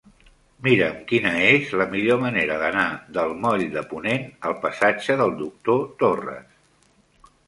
Mira'm quina és la millor manera d'anar del moll de Ponent al passatge del Doctor Torres.